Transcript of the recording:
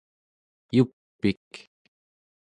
Yup'ik